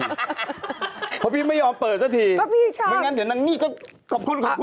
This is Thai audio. เพราะพี่ไม่ยอมเปิดสักทีเหมือนกันเดี๋ยวนางนี่ก็